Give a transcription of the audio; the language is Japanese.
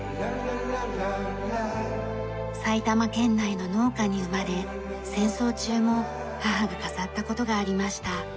埼玉県内の農家に生まれ戦争中も母が飾った事がありました。